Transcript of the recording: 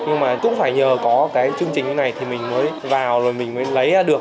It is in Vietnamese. nhưng mà cũng phải nhờ có cái chương trình như thế này thì mình mới vào rồi mình mới lấy được